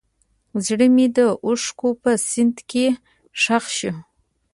زړه مې د اوښکو په سیند کې ښخ شو.